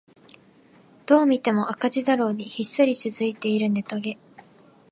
どう見ても赤字だろうにひっそり続いているネトゲ